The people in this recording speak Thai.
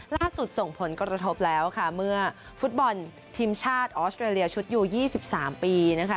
ส่งผลกระทบแล้วค่ะเมื่อฟุตบอลทีมชาติออสเตรเลียชุดอยู่๒๓ปีนะคะ